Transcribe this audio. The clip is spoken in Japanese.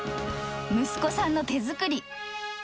息子さんの手作り。